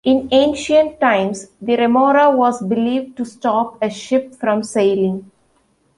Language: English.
In ancient times, the remora was believed to stop a ship from sailing.